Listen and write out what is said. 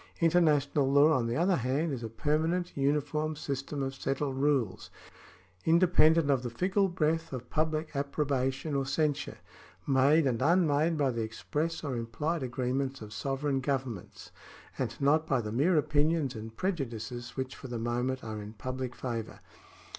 International law, on the other hand, is a permanent, uniform system of settled rules, independent of the fickle breath of public approbation or censure — made and vmmade by the express or implied agreements of sovereign governments, and not by the mere opinions and prejudices which for the moment are in public favour.